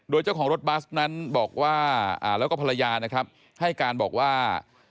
โดยเจ้าของรถบัสนั้นบอกว่าแล้วก็ภรรยานะครับให้การบอกว่า